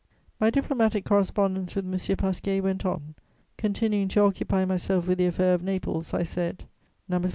My diplomatic correspondence with M. Pasquier went on; continuing to occupy myself with the affair of Naples, I said: No.